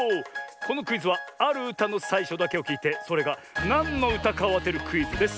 このクイズはあるうたのさいしょだけをきいてそれがなんのうたかをあてるクイズです。